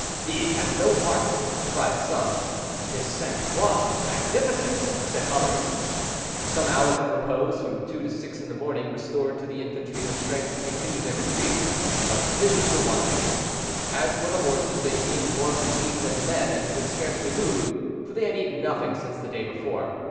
"He has no heart," cried some. "His sang froid is magnificent," said others. Some hours of repose, from two to six in the morning, restored to the infantry the strength to continue their retreat; but provisions were wanting. As for the horses, they seemed more fatigued than the men, and could scarcely move, for they had eaten nothing since the day before.